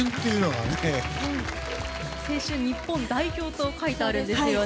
青春日本代表と書いてあるんですよね。